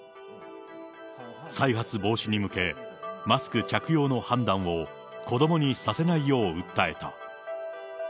再発防止に向け、マスク着用の判断を子どもにさせないよう訴えた。